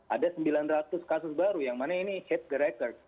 ada sembilan ratus kasus baru yang mana ini shape the record